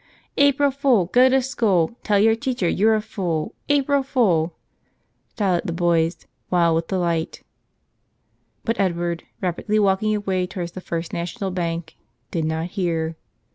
26 St, Anthony Again "April fool, go to school! Tell your teacher you're a fool ! April fool !" shouted the boys, wild with de¬ light. But Edward, rapidly walking away towards the First National Bank, did not hear.